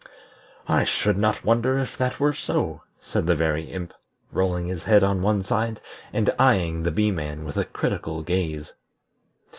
"I should not wonder if that were so," said the Very Imp, rolling his head on one side, and eying the Bee man with a critical gaze.